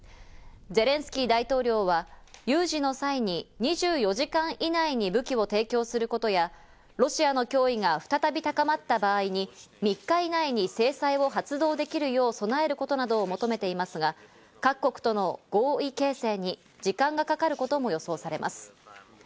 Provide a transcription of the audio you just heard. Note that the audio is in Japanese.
ゼレンスキー大統領は有事の際に２４時間以内に武器を提供することや、ロシアの脅威が再び高まった場合に、３日以内に制裁を発動できるよう備えることなどを求めていますが、各国との合意形成に時間がかかることも予想されます。